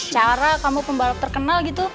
cara kamu pembalap terkenal gitu